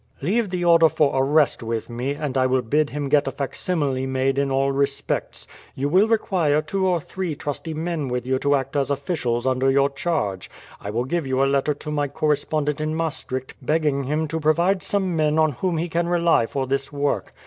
"Leave the order for arrest with me, and I will bid him get a facsimile made in all respects. You will require two or three trusty men with you to act as officials under your charge. I will give you a letter to my correspondent in Maastricht begging him to provide some men on whom he can rely for this work.